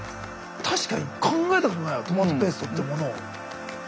確かに考えたことないトマトペーストってものを。